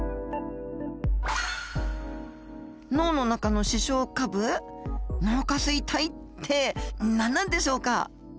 脳の中の視床下部脳下垂体って何なんでしょうか？